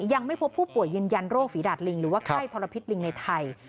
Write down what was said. ยังไม่พบผู้ป่วยยืนยันโรคฝีดาดลิงหรือว่าไข้ทรพิษลิงในไทย